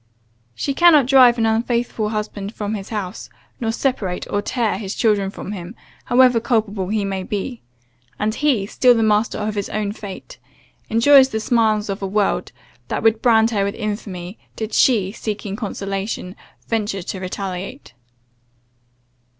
She cannot drive an unfaithful husband from his house, nor separate, or tear, his children from him, however culpable he may be; and he, still the master of his own fate, enjoys the smiles of a world, that would brand her with infamy, did she, seeking consolation, venture to retaliate.